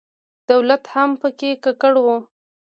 دولت هم په کې ککړ و.